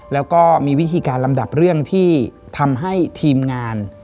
แล้วก็มีวิธีการลำดับเรื่องที่ทำให้ทีมงาน